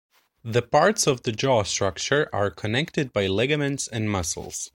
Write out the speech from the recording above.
The parts of the jaw structure are connected by ligaments and muscles.